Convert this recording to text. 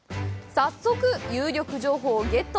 早速、有力情報をゲット！